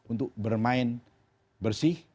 untuk bermain bersih